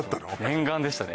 念願でしたね